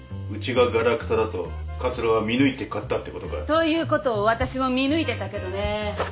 うちがガラクタだと桂は見抜いて買ったってことか。ということを私も見抜いてたけどね。